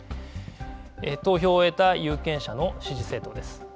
投票を終えた有権者の支持政党です。